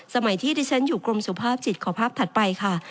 สมัยที่ดิฉันอยู่กรมสุภาพจิตขอภาพถัดไปค่ะ